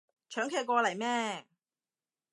搶佢過嚟咩